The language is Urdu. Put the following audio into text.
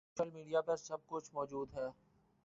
سوشل میڈیا پر سب کچھ موجود ہے